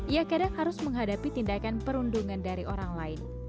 ia kadang harus menghadapi tindakan perundungan dari orang lain